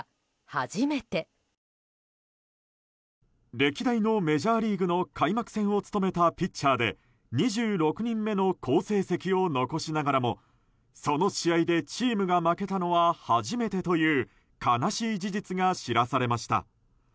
歴代のメジャーリーグの開幕戦を務めたピッチャーで２６人目の好成績を残しながらもその試合でチームが負けたのは初めてという悲しい事実が知らされました。